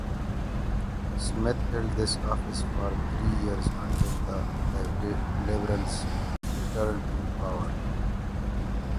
Smith held this office for three years until the Liberals returned to power.